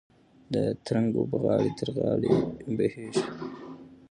د ترنګ اوبه غاړه تر غاړې بهېږي.